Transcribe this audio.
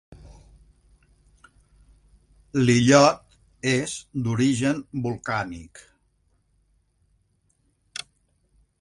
L'illot és d'origen volcànic.